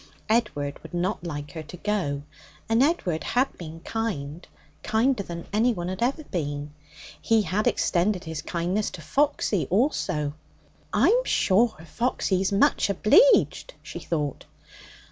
Edward would not like her to go, and Edward had been kind kinder than anyone had ever been. He had extended his kindness to Foxy also. 'I'm sure Foxy's much obleeged,' she thought.